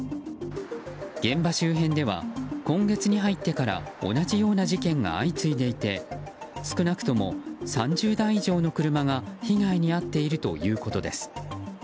現場周辺では今月に入ってから同じような事件が相次いでいて少なくとも３０台以上の車が被害に遭っているということです。